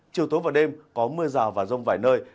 chiều tối và đêm có mưa rào và rông vài nơi